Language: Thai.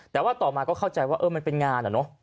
แต่ว่าต่อมาก็เข้าใจว่ามันเป็นงานอะเนอะ